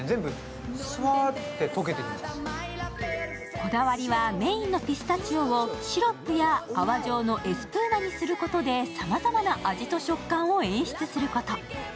こだわりはメインのピスタチオをシロップや泡状のエスプーマにすることでさまざまな味や食感を演出すること。